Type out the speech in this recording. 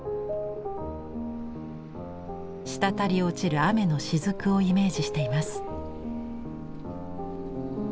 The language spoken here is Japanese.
滴り落ちる雨のしずくをイメージしています。